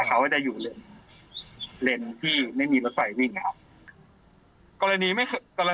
แต่เขาจะอยู่เลนที่ไม่มีรถไฟวิ่งครับ